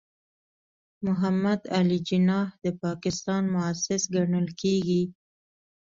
محمد علي جناح د پاکستان مؤسس ګڼل کېږي.